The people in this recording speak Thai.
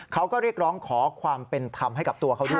เขาก็เรียกร้องขอความเป็นธรรมให้กับตัวเขาด้วย